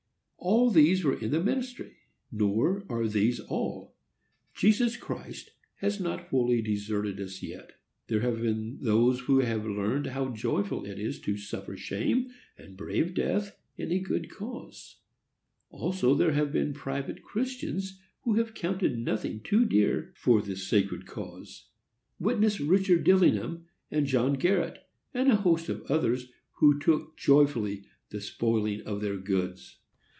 All these were in the ministry. Nor are these all. Jesus Christ has not wholly deserted us yet. There have been those who have learned how joyful it is to suffer shame and brave death in a good cause. Also there have been private Christians who have counted nothing too dear for this sacred cause. Witness Richard Dillingham, and John Garrett, and a host of others, who took joyfully the spoiling of their goods.